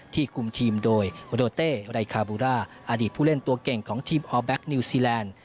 คุมทีมโดยโดเต้ไรคาบูร่าอดีตผู้เล่นตัวเก่งของทีมออร์แกคนิวซีแลนด์